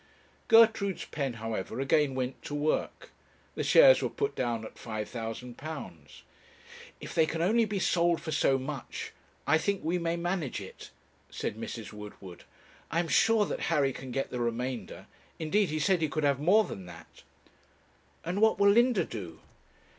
Gertrude's pen, however, again went to work. The shares were put down at £5,000. 'If they can only be sold for so much, I think we may manage it,' said Mrs. Woodward; 'I am sure that Harry can get the remainder indeed he said he could have more than that.' 'And what will Linda do?'